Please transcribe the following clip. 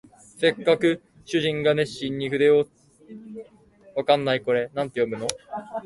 しかしせっかく主人が熱心に筆を執っているのを動いては気の毒だと思って、じっと辛抱しておった